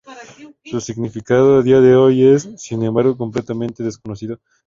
Su significado a día de hoy es, sin embargo, completamente desconocido.